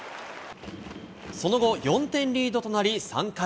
その後、４点リードとなり、３回。